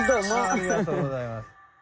ありがとうございます。